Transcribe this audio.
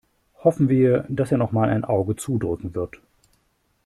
Hoffen wir, dass er noch mal ein Auge zudrücken wird.